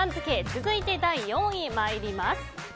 続いて、第４位に参ります。